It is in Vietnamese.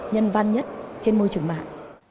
nhân văn nhất trên môi trường mạng